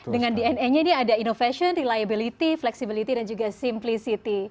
dengan dna nya ini ada innovation reliability flexibility dan juga simply city